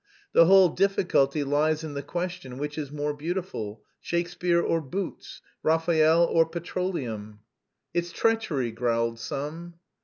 The whole difficulty lies in the question which is more beautiful, Shakespeare or boots, Raphael or petroleum?" "It's treachery!" growled some.